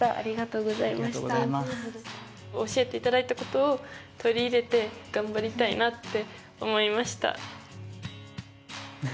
教えていただいたことを取り入れて頑張りたいなって思いました。